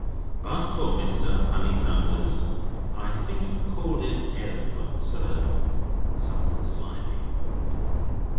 "But for Mr. Honeythunder's—I think you called it eloquence, sir?" (somewhat slyly.)